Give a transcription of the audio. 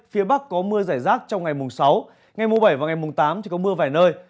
phía bắc có mưa rải rác trong ngày sáu ngày bảy tám chỉ có mưa vài nơi